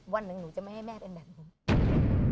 วันหนึ่งหนูจะไม่ให้แม่เป็นแบบนี้